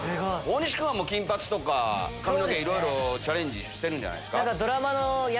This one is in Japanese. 大西君は金髪とかいろいろチャレンジしてるんじゃないですか？